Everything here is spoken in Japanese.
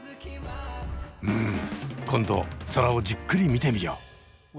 うん今度空をじっくり見てみよう。